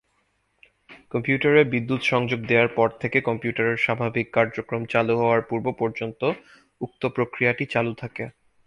কম্পিউটারে বিদ্যুত সংযোগ দেয়ার পর থেকে কম্পিউটারের স্বাভাবিক কার্যক্রম চালু হওয়ার পূর্ব পর্যন্ত উক্ত প্রক্রিয়াটি চালু থাকে।